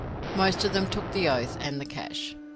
Most of them took the oath and the cash.